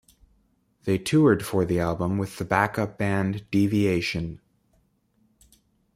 They toured for the album with the backup band Deviation.